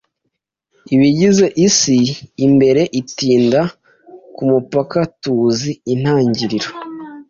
ibigize isi imbere itinda kumupaka tuzi intangiriro